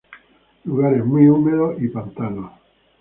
Lugares muy húmedos y pantanos.